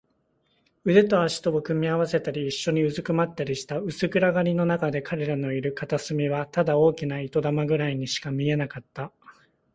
腕と脚とを組み合わせたり、いっしょにうずくまったりした。薄暗がりのなかで、彼らのいる片隅はただ大きな糸玉ぐらいにしか見えなかった。